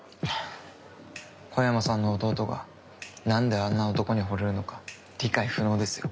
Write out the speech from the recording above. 小山さんの弟がなんであんな男に惚れるのか理解不能ですよ